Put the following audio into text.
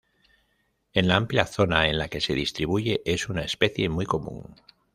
En la amplia zona en la que se distribuye es una especie muy común.